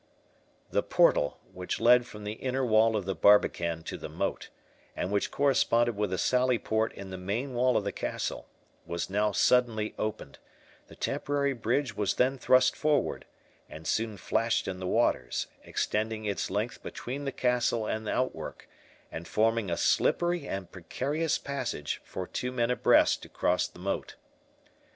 The portal, which led from the inner wall of the barbican to the moat, and which corresponded with a sallyport in the main wall of the castle, was now suddenly opened; the temporary bridge was then thrust forward, and soon flashed in the waters, extending its length between the castle and outwork, and forming a slippery and precarious passage for two men abreast to cross the moat.